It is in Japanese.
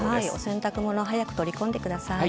洗濯物早く取り込んでください。